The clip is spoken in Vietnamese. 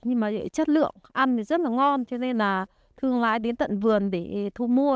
nhưng mà chất lượng ăn thì rất là ngon cho nên là thương lái đến tận vườn để thu mua